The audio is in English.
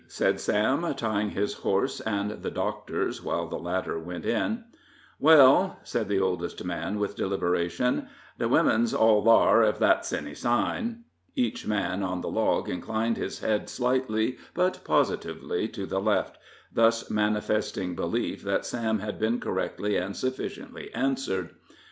said Sam, tying his horse and the doctor's, while the latter went in. "Well," said the oldest man, with deliberation, "the wimmin's all thar ef that's any sign." Each man on the log inclined his head slightly but positively to the left, thus manifesting belief that Sam had been correctly and sufficiently answered.